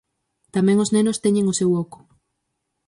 Tamén os nenos teñen o seu oco.